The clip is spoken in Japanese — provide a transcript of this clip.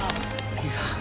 いや。